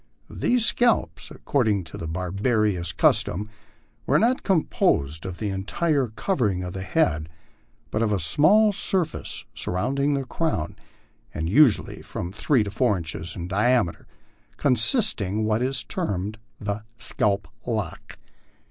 These scalps, according to the barbarous custom, were not composed of the entire covering of the head, but of a small surface surrounding the crown, and usually from three to four inches in diame ter, constituting what is termed the scalp lock.